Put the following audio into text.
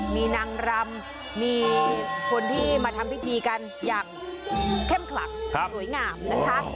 มีนางรำมีคนที่มาทำพิธีกันอย่างเข้มขลังสวยงามนะคะ